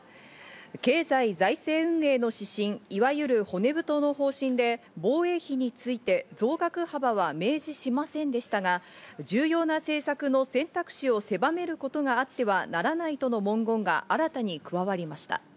経済財政運営の指針、いわゆる骨太の方針で防衛費について増額幅は明示しませんでしたが、重要な政策の選択肢をせばめることがあってはならないとの文言が新たに加わりました。